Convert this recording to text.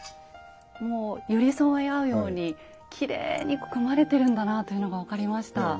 もう寄り添い合うようにきれいに組まれてるんだなというのが分かりました。